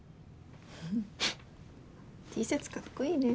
Ｔシャツかっこいいね。